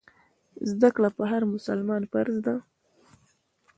زده کړه پر هر مسلمان فرض دی.